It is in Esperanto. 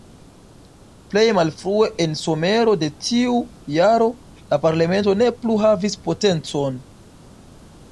Plej malfrue en somero de tiu jaro, la parlamento ne plu havis potencon.